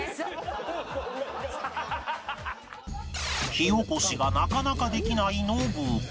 火起こしがなかなかできないノブ